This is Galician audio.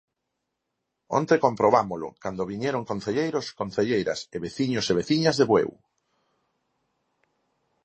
Onte comprobámolo, cando viñeron concelleiros, concelleiras e veciños e veciñas de Bueu.